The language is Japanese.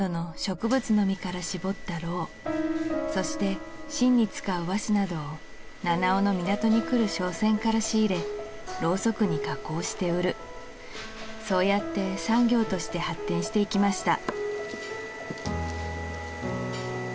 そして芯に使う和紙などを七尾の港に来る商船から仕入れろうそくに加工して売るそうやって産業として発展していきました